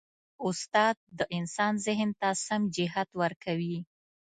استاد د انسان ذهن ته سم جهت ورکوي.